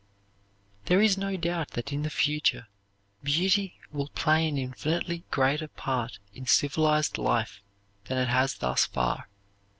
There is no doubt that in the future beauty will play an infinitely greater part in civilized life than it has thus far.